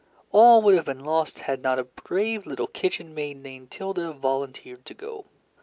All would have been lost had not a brave little kitchen maid named Tilda volunteered to go.